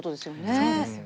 そうですよ。